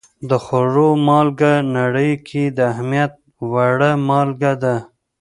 د خوړو مالګه نړۍ کې د اهمیت وړ مالګه ده.